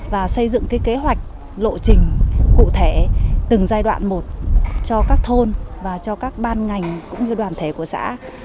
và xây dựng cái kế hoạch lộ trình cụ thể từng giai đoạn một cho các thôn và cho các ban ngành cũng như đoàn thể của xã